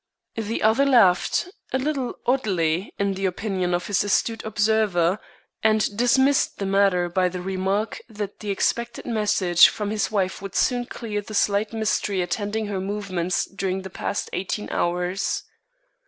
The other laughed, a little oddly in the opinion of his astute observer, and dismissed the matter by the remark that the expected message from his wife would soon clear the slight mystery attending her movements during the past eighteen hours.